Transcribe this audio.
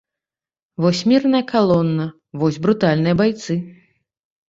Вось мірная калона, вось брутальныя байцы.